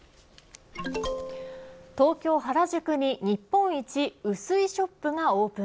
東京、原宿に日本一薄いショップがオープン。